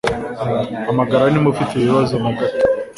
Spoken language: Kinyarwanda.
Hamagara niba ufite ibibazo na gato